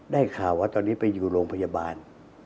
ได้ข่าวว่าตอนนี้ไปอยู่โรงพยาบาล